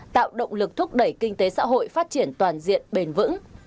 tạo động lực thúc đẩy kinh tế xã hội phát triển toàn diện bền vững